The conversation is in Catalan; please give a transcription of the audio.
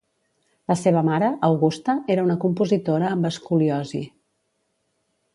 La seva mare, Augusta, era una compositora amb escoliosi.